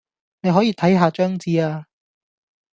你可以睇吓張紙呀